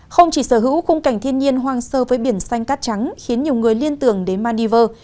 không chỉ sở hữu khung cảnh thiên nhiên hoang sơ với biển xanh cát trắng khiến nhiều người liên tưởng đến manives